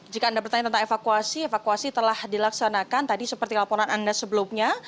jika anda bertanya tentang evakuasi evakuasi telah dilaksanakan tadi seperti laporan anda sebelumnya